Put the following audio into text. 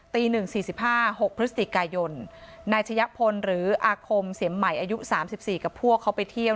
ตี๑๔๕๖พฤศจิกายนนายชะยะพลหรืออาคมเสียมใหม่อายุ๓๔กับพวกเขาไปเที่ยว